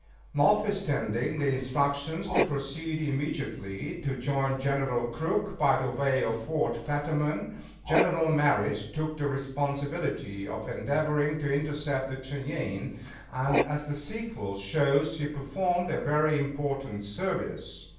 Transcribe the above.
Notwithstanding the instructions to proceed immediately to join General Crook by the way of Fort Fetterman, General Merritt took the responsibility of endeavoring to intercept the Cheyennes, and, as the sequel shows, he performed a very important service.